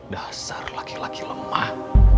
dasar laki laki lemah